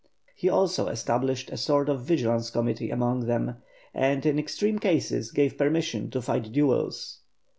He also established a sort of vigilance committee among them, and in extreme cases gave permission to fight duels.